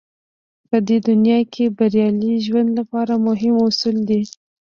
په دې دنيا کې بريالي ژوند لپاره مهم اصول دی.